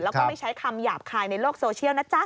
แล้วก็ไม่ใช้คำหยาบคายในโลกโซเชียลนะจ๊ะ